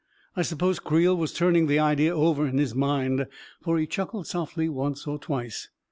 I suppose Creel was turning the idea over in his mind, for he chuckled softly once or twice.